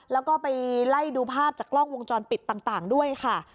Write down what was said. แล้วก็ไปไล่ดูภาพจากกล้องวงจรปิดต่างด้วยค่ะ